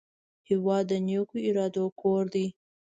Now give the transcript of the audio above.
هېواد د نیکو ارادو کور دی.